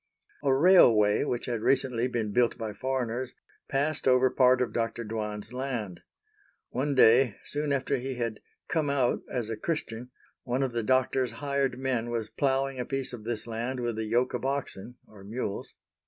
A railway, which had recently been built by foreigners, passed over part of Dr. Dwan's land. One day, soon after he had come out as a Christian, one of the doctor's hired men was ploughing a piece of this land with a yoke of oxen (or mules).